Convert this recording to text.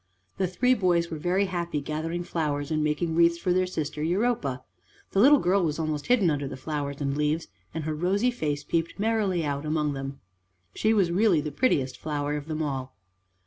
The three boys were very happy gathering flowers and making wreaths for their sister Europa. The little girl was almost hidden under the flowers and leaves, and her rosy face peeped merrily out among them. She was really the prettiest flower of them all.